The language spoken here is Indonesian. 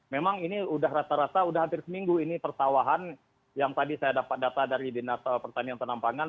memang ini sudah rata rata sudah hampir seminggu ini pertawahan yang tadi saya dapat data dari dinas pertanian tanam pangan